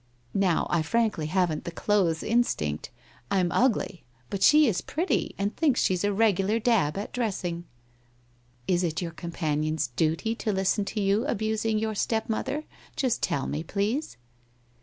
Now, I frankly haven't the clothes instinct ; I'm ugly, but she is pretty, and thinks she's a regular dab at dressing.' 1 Is it your companion's duty to listen to you abusing your step mother, just tell me, please?'